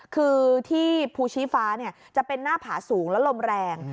คือที่ภูชีฟ้าจะเป็นหน้าผาสูงและลมแรง